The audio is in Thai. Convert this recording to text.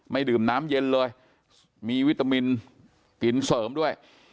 ดื่มน้ำเย็นเลยมีวิตามินกินเสริมด้วย